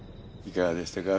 いかがでしたか？